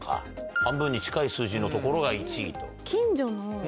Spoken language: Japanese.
半分に近い数字のところが１位と。